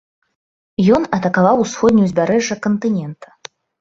Ён атакаваў усходняе ўзбярэжжа кантынента.